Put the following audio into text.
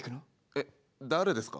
えっ誰ですか？